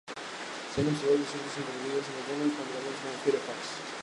Se han observado ciertas incompatibilidades con algunos navegadores como Firefox.